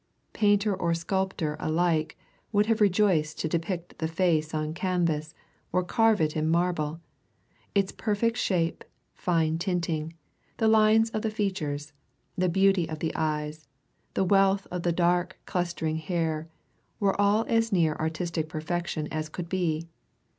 Painter or sculptor alike would have rejoiced to depict the face on canvas or carve it in marble its perfect shape, fine tinting, the lines of the features, the beauty of the eyes, the wealth of the dark, clustering hair, were all as near artistic perfection as could be.